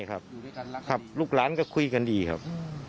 ครับครับลูกหลานก็คุยกันดีครับ